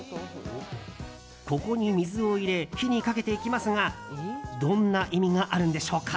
ここに水を入れ火にかけていきますがどんな意味があるんでしょうか。